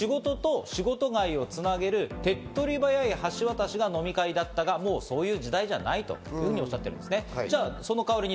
仕事と仕事外をつなげる手っ取り早い橋渡しが飲み会だったが、もうそういう時代じゃないというふうにおしゃっています。